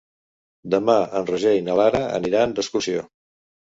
Demà en Roger i na Lara aniran d'excursió.